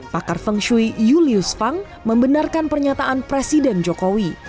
pakar feng shui julius fang membenarkan pernyataan presiden jokowi